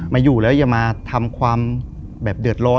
มาอยู่แล้วอย่ามาทำความแบบเดือดร้อน